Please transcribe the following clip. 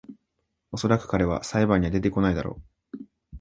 おそらく彼は裁判には出てこないだろ